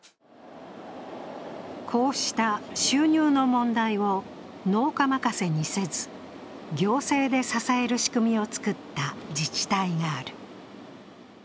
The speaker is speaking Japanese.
こうした収入の問題を農家任せにせず、行政で支える仕組みを作った自治体がある。